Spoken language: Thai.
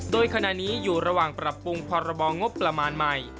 โดยขณะนี้อยู่ระหว่างปรับปรุงพรบงบประมาณใหม่